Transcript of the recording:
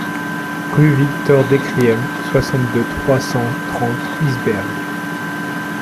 Rue Victor Decriem, soixante-deux, trois cent trente Isbergues